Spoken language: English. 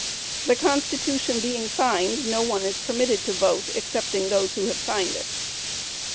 The constitution being signed, no one is permitted to vote excepting those who have signed it.